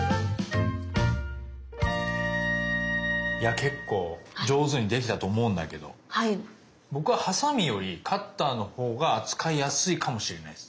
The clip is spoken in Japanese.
結構上手に出来たと思うんだけど僕はハサミよりカッターのほうが扱いやすいかもしれないです。